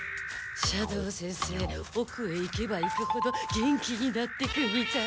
斜堂先生おくへ行けば行くほど元気になっていくみたい。